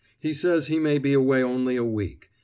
"He says he may be away only a week.